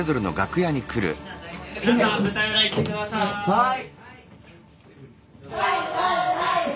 はい！